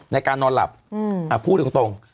ในการนอนหลับพูดตรง